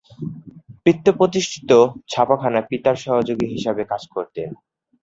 পিতৃ-প্রতিষ্ঠিত ছাপাখানায় পিতার সহযোগী হিসাবে কাজ করতেন।